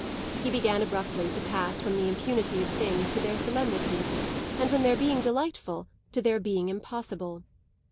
He began abruptly to pass from the impunity of things to their solemnity, and from their being delightful to their being impossible.